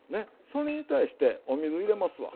それに対してお水入れますわ。